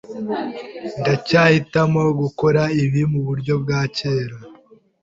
Ndacyahitamo gukora ibi muburyo bwa kera.